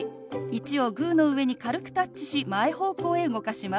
「１」をグーの上に軽くタッチし前方向へ動かします。